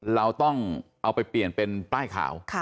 เราต้องเอาไปเปลี่ยนเป็นป้ายขาว